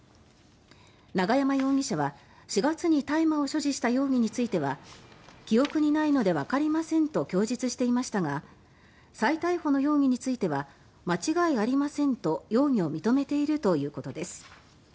永山容疑者は４月に大麻を所持した容疑については記憶にないのでわかりませんと供述していましたが再逮捕の容疑については間違いありませんと容疑を認めているということです。